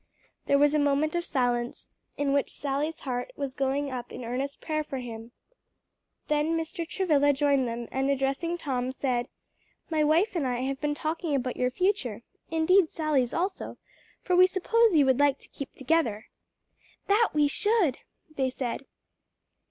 '" There was a moment of silence, in which Sally's heart was going up in earnest prayer for him; then Mr. Travilla joined them and addressing Tom said, "My wife and I have been talking about your future; indeed Sally's also; for we suppose you would like to keep together." "That we should," they said.